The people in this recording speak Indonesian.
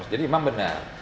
jadi memang benar